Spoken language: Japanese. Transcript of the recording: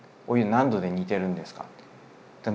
「お湯何度で煮てるんですか？」